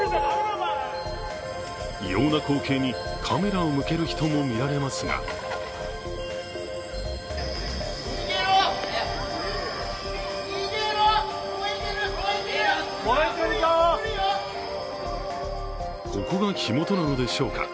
異様な光景にカメラを向ける人も見られますがここが火元なのでしょうか。